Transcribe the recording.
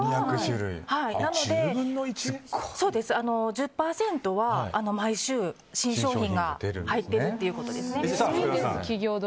なので、１０％は毎週、新商品が入っているっていうことです。